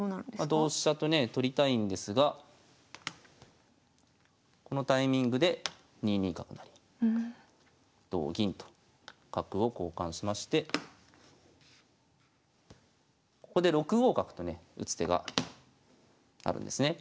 同飛車とね取りたいんですがこのタイミングで２二角成同銀と角を交換しましてここで６五角とね打つ手があるんですね。